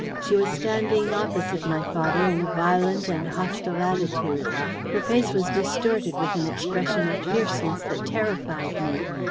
She was standing opposite my father in a violent and hostile attitude. Her face was distorted with an expression of fierceness that terrified me.